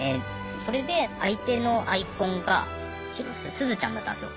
それで相手のアイコンが広瀬すずちゃんだったんすよ。